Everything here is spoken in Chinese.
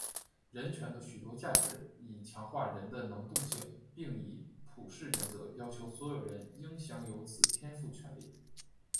人权的许多价值以强化人的能动性并以普世原则要求所有人应享有此天赋权利。